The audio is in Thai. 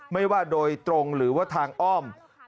ไม่ว่าโดยตรงหรือว่าทางอ้อม